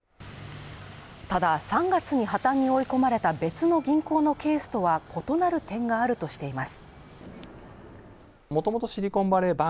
専門家はただ３月に破綻に追い込まれた別の銀行のケースとは異なる点があるとしています。